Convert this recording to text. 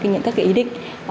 những các ý định